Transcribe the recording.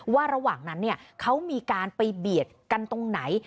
ระหว่างนั้นเขามีการไปเบียดกันตรงไหน